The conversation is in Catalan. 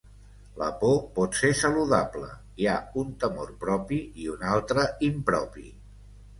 La por pot ser saludable, hi ha un temor propi i un altre impropi.